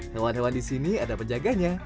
hewan hewan di sini ada penjaganya